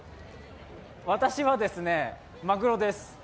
私はマグロです。